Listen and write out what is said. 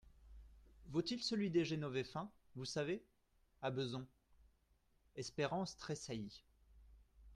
Vaut-il celui des Génovéfains ? Vous savez … à Bezons ? Espérance tressaillit.